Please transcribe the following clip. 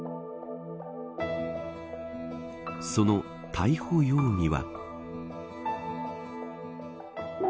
その逮捕容疑は。